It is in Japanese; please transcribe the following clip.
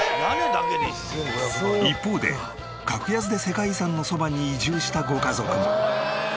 一方で格安で世界遺産のそばに移住したご家族も。